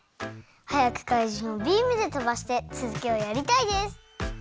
はやくかいじんをビームでとばしてつづきをやりたいです。